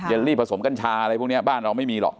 ลี่ผสมกัญชาอะไรพวกนี้บ้านเราไม่มีหรอก